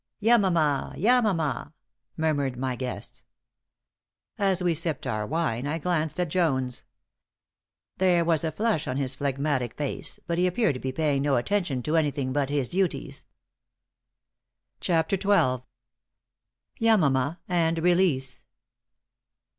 "Yamama! Yamama!" murmured my guests. As we sipped our wine, I glanced at Jones. There was a flush on his phlegmatic face, but he appeared to be paying no attention to anything but his duties. *CHAPTER XII.* *YAMAMA AND RELEASE.